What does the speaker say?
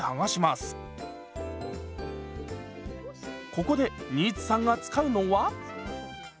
ここで新津さんが使うのは？